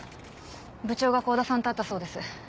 部長が香田さんと会ったそうです。